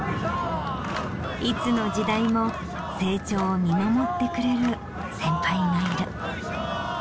いつの時代も成長を見守ってくれる先輩がいる。